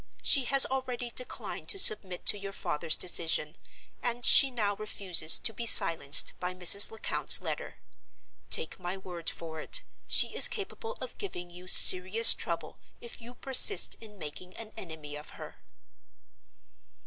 She has already declined to submit to your father's decision, and she now refuses to be silenced by Mrs. Lecount's letter. Take my word for it, she is capable of giving you serious trouble if you persist in making an enemy of her."